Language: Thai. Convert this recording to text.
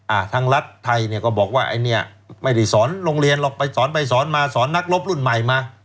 ทางรัฐไทยเนี่ยก็บอกว่าไอ้เนี้ยไม่ได้สอนโรงเรียนหรอกไปสอนไปสอนมาสอนนักรบรุ่นใหม่มา